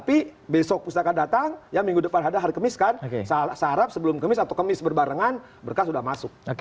ini hukum yang sudah masuk